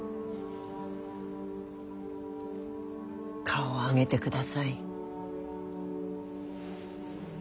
顔を上げてください。